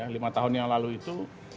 lima tahun yang lalu itu